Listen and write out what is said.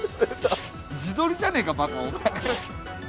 自撮りじゃねえかバカお前。